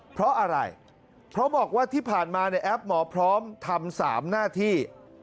เพราะอะไรเพราะบอกว่าที่ผ่านมาในแอปหมอพร้อมทำ๓หน้าที่